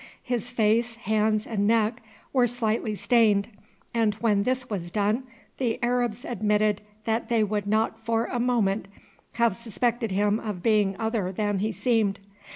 His face, hands, and neck were slightly stained, and when this was done the Arabs admitted that they would not for a moment have suspected him of being other than he seemed.